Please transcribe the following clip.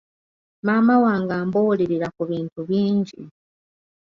Maama wange ambuulirira ku bintu bingi.